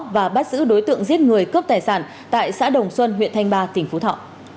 và bắt giữ đối tượng giết người cướp tài sản tại xã đồng xuân huyện thanh ba tỉnh phú thọ